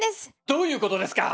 どういうことですか